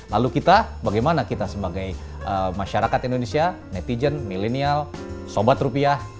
lalu kita bagaimana kita sebagai masyarakat indonesia netizen milenial sobat rupiah